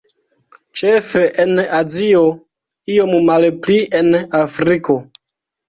Ĉefe en Azio, iom malpli en Afriko.